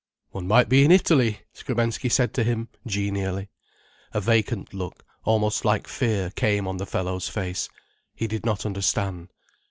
"One might be in Italy," Skrebensky said to him, genially. A vacant look, almost like fear, came on the fellow's face. He did not understand.